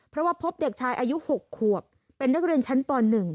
เพราะว่าพบเด็กชายอายุ๖ขวบเป็นนักเรียนชั้นป๑